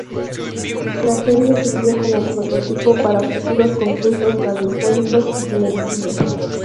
La serie sirvió como prototipo para futuros concursos radiofónicos y televisivos.